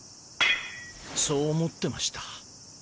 そう思ってました。